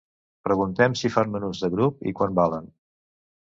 Preguntem si fan menús de grup i quant valen?